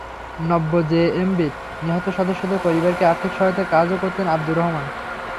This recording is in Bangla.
নব্য জেএমবির নিহত সদস্যদের পরিবারকে আর্থিক সহায়তার কাজও করতেন আবদুর রহমান।